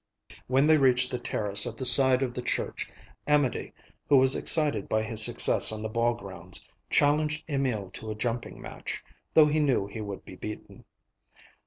When they reached the terrace at the side of the church, Amédée, who was excited by his success on the ball grounds, challenged Emil to a jumping match, though he knew he would be beaten.